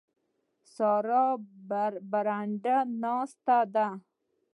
سارا برنده ناسته ده.